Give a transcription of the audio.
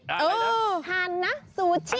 เออทานนะซูชิ